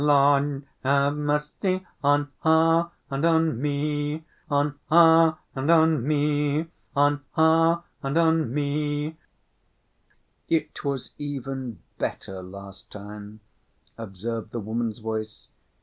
Lord have mercy On her and on me! On her and on me! On her and on me! "It was even better last time," observed the woman's voice.